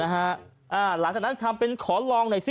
หลังจากนั้นทำเป็นขอลองหน่อยสิ